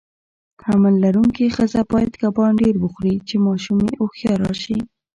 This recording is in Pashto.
حمل لرونکي خزه باید کبان ډیر وخوري، چی ماشوم یی هوښیار راشي.